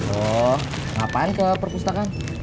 oh apaan ke perpustakaan